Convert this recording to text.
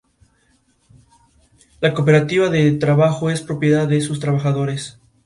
Cuando el general marchó a Londres, Louis Jacquinot lo siguió.